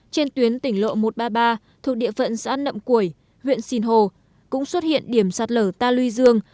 trên tuyến tỉnh lộ một trăm ba mươi ba thuộc địa phận xã nậm củi huyện sìn hồ cũng xuất hiện điểm sạt lở ta luy dương